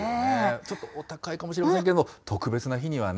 ちょっとお高いもしれませんけれども、特別な日にはね。